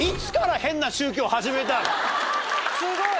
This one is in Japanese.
すごい。